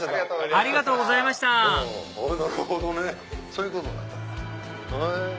そういうことになってんだ。